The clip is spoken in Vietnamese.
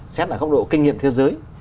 xét ở góc độ kinh nghiệm thế giới